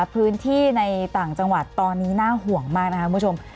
พื้นที่ในต่างจังหวัดตอนนี้น่าห่วงมากนะครับคุณผู้ชม